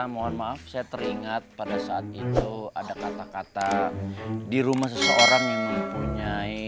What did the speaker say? mohon maaf saya teringat pada saat itu ada kata kata di rumah seseorang yang mempunyai